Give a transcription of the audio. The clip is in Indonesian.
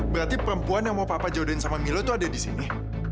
berarti perempuan yang mau papa jodohin sama milo itu ada di sini